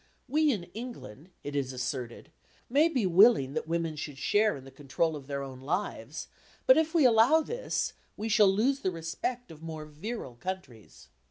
We in England, it is asserted, may be willing that women should share in the control of their own lives, but if we allow this, we shall lose the respect of more "virile" countries.